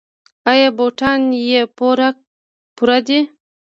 ایا بوټان یې پوره دي؟